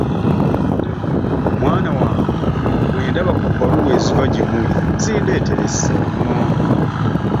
Mwana wange bwe ndaba ku bbaluwa eziva gye muli zindeetera essanyu.